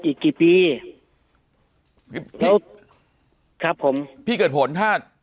อีกกี่ปีแล้วครับผมพี่เกิดผลถ้า